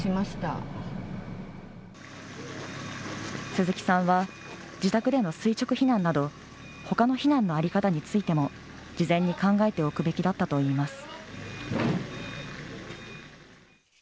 鈴木さんは、自宅での垂直避難など、ほかの避難の在り方についても、事前に考えておくべきだったといいます。